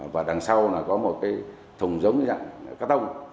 và đằng sau là có một cái thùng giống như dạng cát tông